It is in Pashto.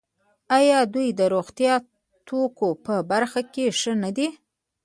آیا دوی د روغتیايي توکو په برخه کې ښه نه دي؟